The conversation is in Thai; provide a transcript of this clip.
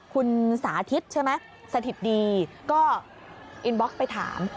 คุณสาธิตใช่ไหมสถิตดีก็อินบ็อกซ์ไปถาม